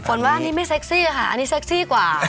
ว่าอันนี้ไม่เซ็กซี่ค่ะอันนี้เซ็กซี่กว่า